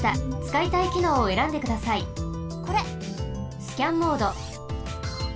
スキャンモード。